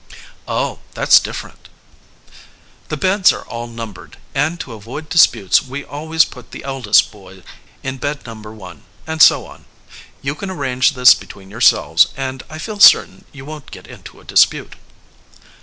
"Oh, that's different." "The beds are all numbered, and to avoid disputes we always put the eldest boy in bed No. 1, and so on. You can arrange this between yourselves, and I feel certain you won't get into a dispute."